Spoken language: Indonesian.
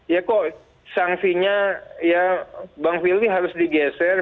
ya kok sangsinya ya bang firly harus digeser